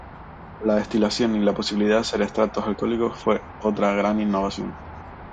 La destilación y la posibilidad de hacer extractos alcohólicos fue otra gran innovación.